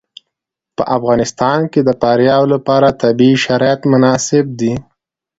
په افغانستان کې د فاریاب لپاره طبیعي شرایط مناسب دي.